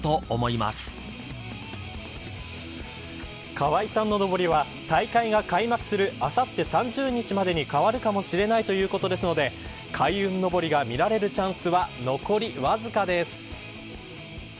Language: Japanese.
川合さんののぼりは大会が開幕するあさって３０日までに変わるかもしれないということですので開運のぼりが見られるチャンスは残りわずかです。